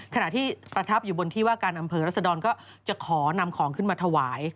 ขณะที่ประทับอยู่บนที่ว่าการอำเภอรัศดรก็จะขอนำของขึ้นมาถวาย